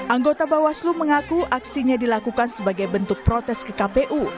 anggota bawaslu mengaku aksinya dilakukan sebagai bentuk protes ke kpu